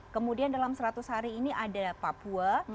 kemudian dalam seratus hari ini ada papua